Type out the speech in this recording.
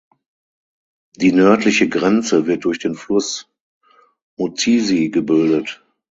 Die nördliche Grenze wird durch den Fluss Muzizi gebildet.